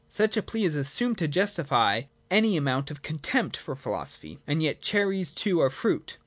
Such a plea is assumed to justify any amount of contempt for philosophy. And yet cherries too are fruit.